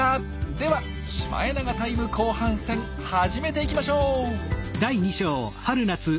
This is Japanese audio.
ではシマエナガタイム後半戦始めていきましょう！